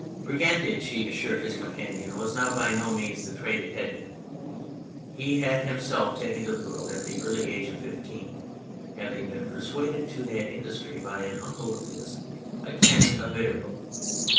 Brigandage, he assured his companion, was now by no means the trade it had been ; he had himself taken to the road at the early age of fifteen, having been persuaded to that industry by an uncle of his, a Canon of Viterbo.